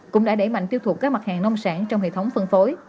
cũng đã đẩy mạnh tiêu thụ các mặt hàng nông sản trong hệ thống phân phối